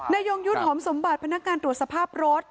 ยงยุทธ์หอมสมบัติพนักงานตรวจสภาพรถ